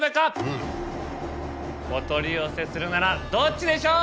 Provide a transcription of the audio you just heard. お取り寄せするならどっちでしょう